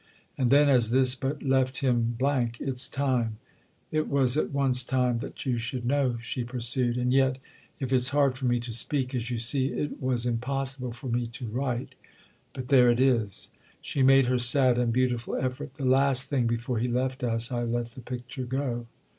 And then as this but left him blank, "It's time—it was at once time—that you should know," she pursued; "and yet if it's hard for me to speak, as you see, it was impossible for me to write. But there it is." She made her sad and beautiful effort. "The last thing before he left us I let the picture go."